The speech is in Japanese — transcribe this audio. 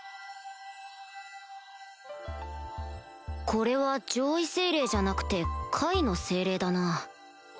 これは上位精霊じゃなくて下位の精霊だな